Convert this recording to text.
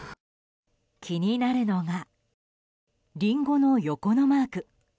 気になるのがリンゴの横のマーク。